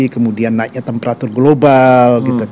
kemudian naiknya temperatur global